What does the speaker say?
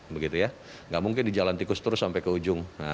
tidak mungkin di jalan tikus terus sampai ke ujung